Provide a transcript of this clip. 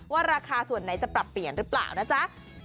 ว่าราคาส่วนไหนจะปรับเปลี่ยนหรือเปล่านะจ๊ะ